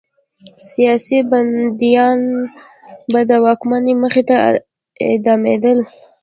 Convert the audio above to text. سیاسي بندیان به د واکمن مخې ته اعدامېدل.